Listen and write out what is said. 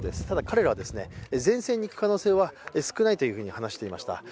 ただ彼らは前線に行く可能性は少ないというふうに話していました。